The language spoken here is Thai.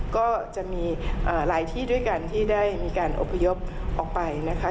ก็จะมีหลายที่ด้วยกันที่ได้มีการอบพยพออกไปนะคะ